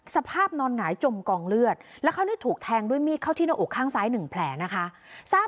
สภาพนอนหงายจมกองเลือดแล้วเขาถูกแทงด้วยมีดเข้าที่หน้าอกข้างซ้าย๑แผลนะคะ